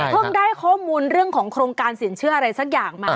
ได้ข้อมูลเรื่องของโครงการสินเชื่ออะไรสักอย่างมา